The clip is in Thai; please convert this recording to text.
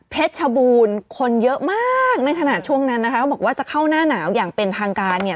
ชบูรณ์คนเยอะมากในขณะช่วงนั้นนะคะเขาบอกว่าจะเข้าหน้าหนาวอย่างเป็นทางการเนี่ย